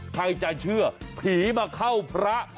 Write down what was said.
ใครจะเชื่อผีมาเข้าพระ